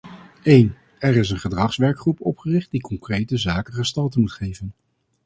Een, er is een gedragswerkgroep opgericht die concrete zaken gestalte moet geven.